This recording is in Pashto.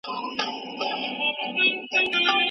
کله به زموږ په کلي کي کتابتون جوړ سي؟